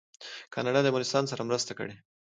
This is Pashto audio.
کاناډا د افغانستان سره مرسته کړې.